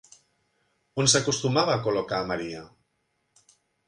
On s'acostumava a col·locar a Maria?